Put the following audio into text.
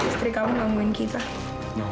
istri kamu gangguin kita